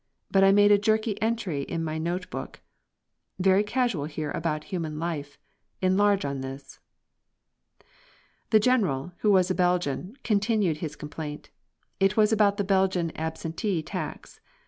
But I made a jerky entry in my notebook: "Very casual here about human life. Enlarge on this." The general, who was a Belgian, continued his complaint. It was about the Belgian absentee tax.